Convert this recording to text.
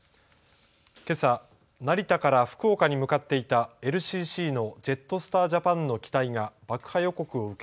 けさ成田から福岡に向かっていたＬＣＣのジェットスター・ジャパンの機体が爆破予告を受け